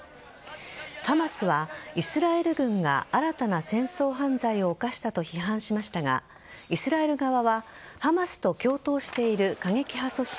ハマスはイスラエル軍が新たな戦争犯罪を犯したと批判しましたがイスラエル側はハマスと共闘している過激派組織